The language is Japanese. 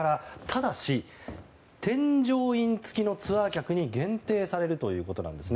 ただし、添乗員付きのツアー客に限定されるということです。